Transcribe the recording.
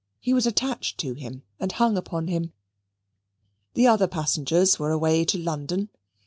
He was attached to him, and hung upon him. The other passengers were away to London.